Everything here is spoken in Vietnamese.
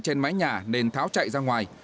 trên mái nhà nên tháo chạy ra ngoài